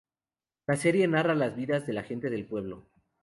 La serie narra las vidas de la gente del pueblo.